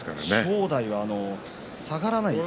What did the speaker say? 正代は下がらない。